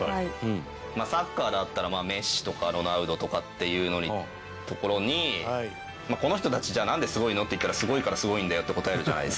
サッカーだったらメッシとかロナウドとかっていうところにこの人たちなんですごいの？っていったらすごいからすごいんだよって答えるじゃないですか。